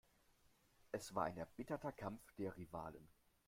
Es war ein erbitterter Kampf der Rivalen.